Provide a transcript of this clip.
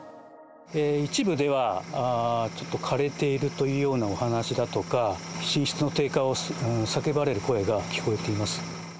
一部では、ちょっと枯れているというようなお話だとか、品質の低下を叫ばれる声が聞こえています。